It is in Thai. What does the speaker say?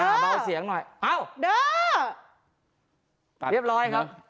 เรียบร้อยครับ